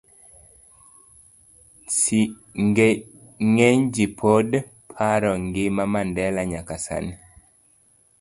C. Ng'eny ji pod paro ngima Mandela nyaka sani